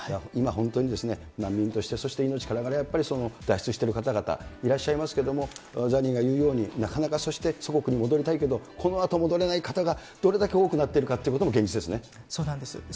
今本当に、難民として、そして命からがらやっぱり脱出している方々、いらっしゃいますけれども、ザニーが言うように、なかなか、そして祖国に戻りたいけど、このあと戻れない方がどれだけ多くなってるかということも現実でそうなんです。